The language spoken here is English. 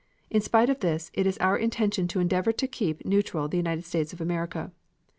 In spite of this, it is our intention to endeavor to keep neutral the United States of America.